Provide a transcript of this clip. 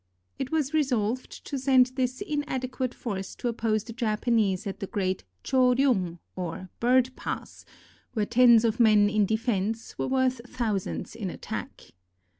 It was resolved to send this inadequate force to oppose the Japanese at the great Cho ryung, or "Bird Pass," where tens of men in defense were worth thou sands in attack.